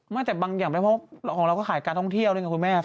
ไม่แต่บางอย่างไม่เพราะของเราก็ขายการท่องเที่ยวด้วยไงคุณแม่